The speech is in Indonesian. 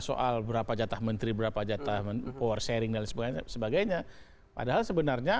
soal berapa jatah menteri berapa jatah power sharing dan sebagainya padahal sebenarnya